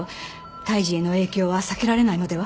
胎児への影響は避けられないのでは？